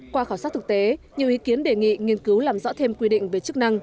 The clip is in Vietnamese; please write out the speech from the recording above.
qua khảo sát thực tế nhiều ý kiến đề nghị nghiên cứu làm rõ thêm quy định về chức năng